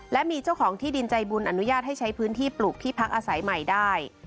และมีเจ้าของที่ดินใจบุญอนุญาตให้ใช้พื้นที่ปลูกที่พักอาศัยใหม่ได้